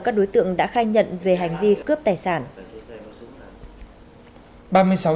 các đối tượng đã khai nhận về hành vi cướp tài sản